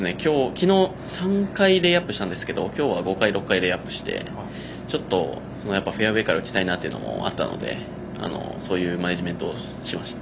昨日３回レイアップしたんですが今日は５回、６回レイアップしてやっぱりフェアウエーから打ちたいなというのもあったのでそういうマネージメントをしました。